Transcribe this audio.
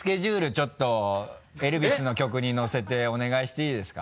ちょっとエルヴィスの曲にのせてお願いしていいですか？